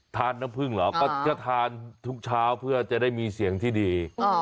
น้ำผึ้งเหรอก็จะทานทุกเช้าเพื่อจะได้มีเสียงที่ดี